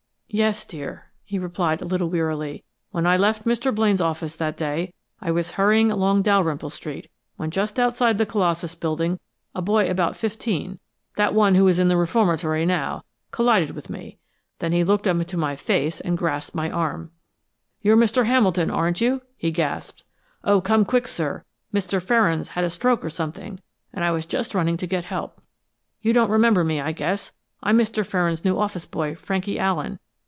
"Yes, dear," he replied a trifle wearily. "When I left Mr. Blaine's office that day, I was hurrying along Dalrymple Street, when just outside the Colossus Building, a boy about fifteen that one who is in the reformatory now collided with me. Then he looked up into my face, and grasped my arm. "'You're Mr. Hamilton, aren't you?' he gasped. 'Oh, come quick, sir! Mr. Ferrand's had a stroke or something, and I was just running to get help. You don't remember me, I guess. I'm Mr. Ferrand's new office boy, Frankie Allen.